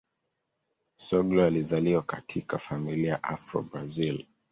Soglo alizaliwa katika familia ya Afro-Brazil.